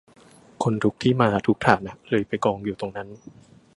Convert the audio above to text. คนทุกที่มาทุกฐานะเลยไปกองอยู่ตรงนั้น